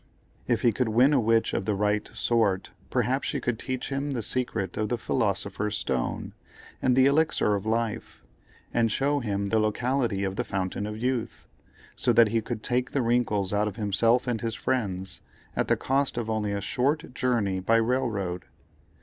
If he could win a witch of the right sort, perhaps she could teach him the secret of the Philosopher's Stone, and the Elixir of Life, and show him the locality of the Fountain of Youth, so that he could take the wrinkles out of himself and his friends, at the cost of only a short journey by rail road.